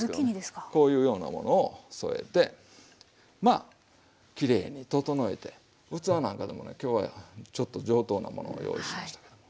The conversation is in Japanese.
こういうようなものを添えてきれいに整えて器なんかでもね今日はちょっと上等なものを用意しましたけど。